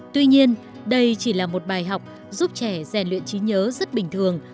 tuy nhiên đây chỉ là một bài học giúp trẻ rèn luyện trí nhớ rất bình thường